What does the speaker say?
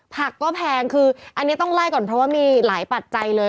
ผักก็แพงคืออันนี้ต้องไล่ก่อนเพราะว่ามีหลายปัจจัยเลย